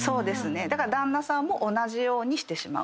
だから旦那さんも同じようにしてしまう。